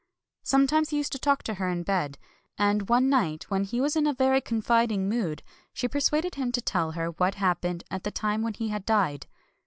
Sometimes he used to talk to her in bed ; and one night when he was in a very confiding mood, she persuaded him to tell her what hap pened at the time when he had died.